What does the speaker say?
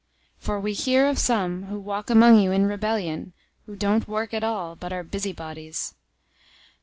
003:011 For we hear of some who walk among you in rebellion, who don't work at all, but are busybodies.